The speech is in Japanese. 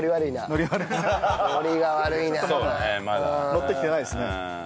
のってきてないですね。